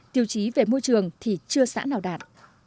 tiêu chí về môi trường thì chưa xã nào đạt